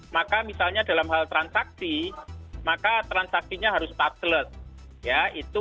maka misalnya dalam hal transaksi maka transaktinya harus tablet